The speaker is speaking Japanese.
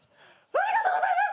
ありがとうございます！